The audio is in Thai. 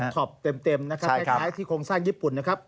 ท็อปเต็มนะครับคล้ายที่โครงสร้างญี่ปุ่นนะครับ